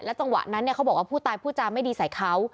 จังหวะนั้นเขาบอกว่าผู้ตายพูดจาไม่ดีใส่เขา